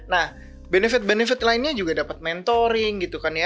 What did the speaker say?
nah benefit benefit lainnya juga dapat mentoring gitu kan ya